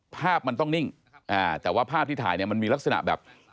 ภาพมันต้องนิ่งแต่ว่าภาพที่ถ่ายเนี่ยมันมีลักษณะแบบ